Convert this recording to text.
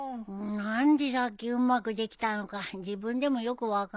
何でさっきうまくできたのか自分でもよく分かんないんだよね。